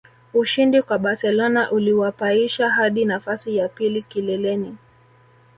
Ushindi kwa Barcelona uliwapaisha hadi nafasi ya pili kileleni